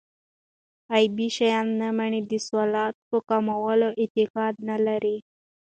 غيبي شيان نه مني، د صلوة په قائمولو اعتقاد نه لري